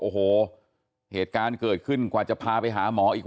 โอ้โหเหตุการณ์เกิดขึ้นกว่าจะพาไปหาหมออีก